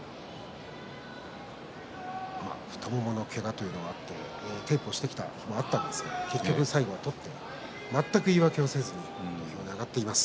太もものけがというのもあってテープをしてきた時もあったんですが結局最後は取って、全く言い訳をせずに土俵に上がっています